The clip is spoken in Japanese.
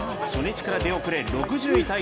初日から出遅れ、６０位